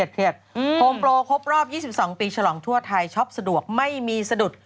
โฮมโปรครบรอบ๒๒ปีฉลองทั่วไทยช็อปสะดวกไม่มีสะดุด